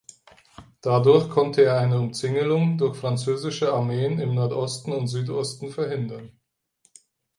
Dadurch konnte er eine Umzingelung durch französische Armeen im Nordosten und Südosten verhindern.